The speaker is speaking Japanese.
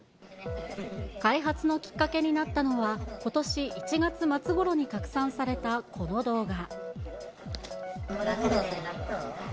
開発のきっかけになったのは、ことし１月末ごろに拡散されたこの動画。